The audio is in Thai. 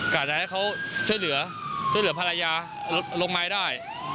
อาจจะให้เขาช่วยเหลือช่วยเหลือภรรยาลงไม้ได้